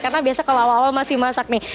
karena biasanya kalau awal awal masih masak nih